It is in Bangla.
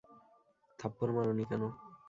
থাপ্পড় মারোনি কেন?